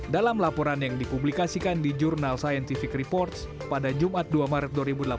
dalam laporan yang dipublikasikan di jurnal scientific report pada jumat dua maret dua ribu delapan belas